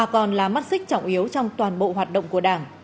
còn là mắt xích trọng yếu trong toàn bộ hoạt động của đảng